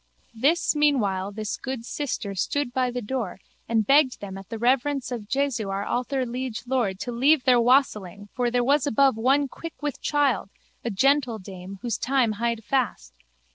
This meanwhile this good sister stood by the door and begged them at the reverence of Jesu our alther liege Lord to leave their wassailing for there was above one quick with child, a gentle dame, whose time hied fast.